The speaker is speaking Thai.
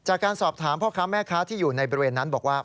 จากการสอบถามพ่อค้าแม่ค้าที่อยู่ในบริเวณนั้นบอกว่า